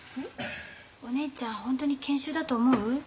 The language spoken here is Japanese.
お姉ちゃんホントに研修だと思う？